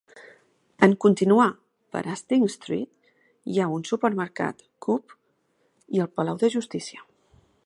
En continuar per Hastings Street, hi ha un supermercat Co-op i el palau de justícia.